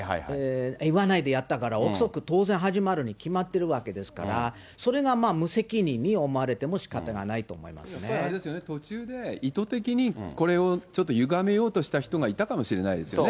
言わないでやったから、臆測当然始まるに決まってるわけですから、それが無責任に思われやっぱりあれですよね、途中で意図的に、これをちょっとゆがめようとした人がいたかもしれないですよね。